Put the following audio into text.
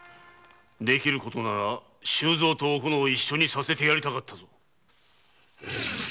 できることなら周蔵とおこのを一緒にさせてやりたかったぞ！